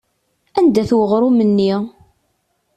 Anda-t uɣrum-nni?